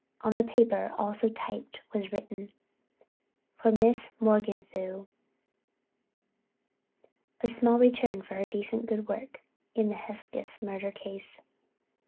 On the paper, also typed, was written: For Miss Morganthau—A small return for her recent good work in the Hesketh Murder Case.